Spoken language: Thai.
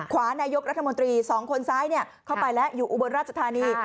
ขวานายกรัฐมนตรีสองคนซ้ายเข้าไปแล้วอยู่อุบลราชธานี